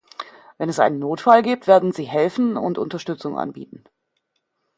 Wenn es einen Notfall gibt, werden sie helfen und Unterstützung anbieten.